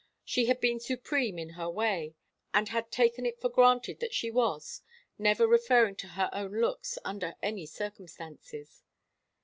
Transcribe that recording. She had been supreme in her way, and had taken it for granted that she was, never referring to her own looks under any circumstances.